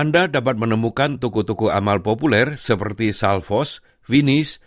anda dapat menemukan toko toko amal populer seperti salvos finish